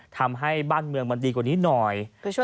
ทำให้บ้านเมืองมันดีกว่านี้หน่อย